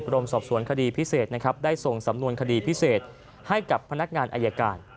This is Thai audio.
รมสอบสวนคดีพิเศษนะครับได้ส่งสำนวนคดีพิเศษให้กับพนักงานอายการ